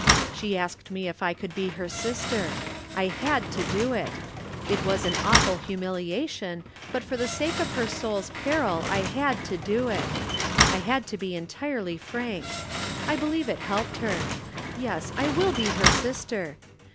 She asked me if I could be her sister. I had t« do it. It was an awful humiliation, but for the sake of her soul's peril I had to do it. I had to be entirely frank. I believe it helped her. Yes, I will be her sister.